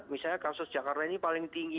misalnya kasus jakarta ini paling tinggi